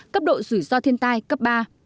cấp độ rủi ro thiên tai cấp ba